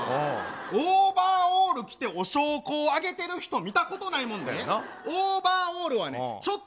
オーバーオール着てお焼香あげてる人見たことないもんね。